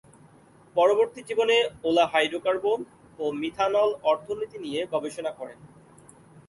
পরবর্তী জীবনে Olah hydrocarbon ও মিথানল অর্থনীতি নিয়ে গবেষণা করেন।